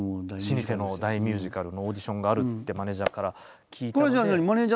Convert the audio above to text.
老舗の大ミュージカルのオーディションがあるってマネージャーから聞いて。